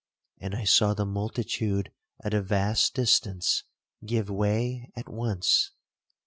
And I saw the multitude at a vast distance give way at once.